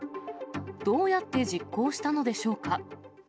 どうやって実行したのでしょうか。